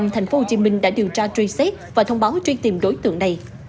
tp hcm đã điều tra truy xét và thông báo truy tìm đối tượng này